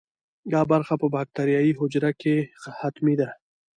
دا برخه په باکتریايي حجره کې حتمي ده.